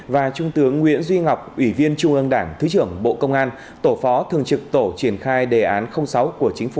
và trung tướng nguyễn duy ngọc ủy viên trung ương đảng thứ trưởng bộ công an